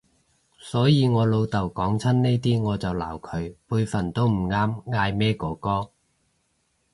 所以我老豆講親呢啲我就鬧佢，輩份都唔啱嗌咩哥哥